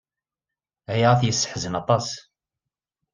Aya ad yesseḥzen aṭas.